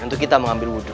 untuk kita mengambil wudhu